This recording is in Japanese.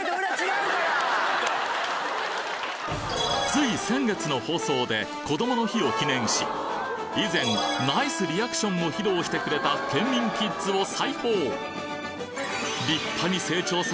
つい先月の放送でこどもの日を記念し以前ナイスリアクションを披露してくれたケンミンキッズを再訪！